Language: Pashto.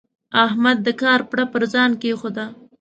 احمد د کار پړه پر ځان کېښوده.